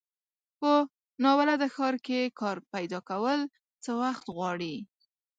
په ناولده ښار کې کار پیداکول څه وخت غواړي.